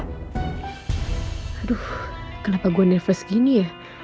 aduh kenapa gue neverse gini ya